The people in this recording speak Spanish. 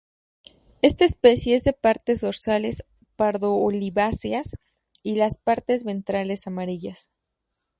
Esta especie es de partes dorsales pardo-oliváceas y las partes ventrales amarillas.